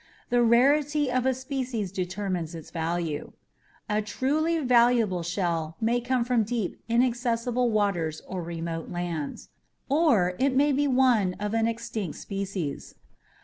The rarity of a species determines its value. A truly valuable shell may come from deep, inaccessible waters or remote lands or it may be one of an extinct species.